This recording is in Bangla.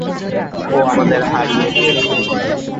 ও আমাদের হারিয়ে দিয়েছে।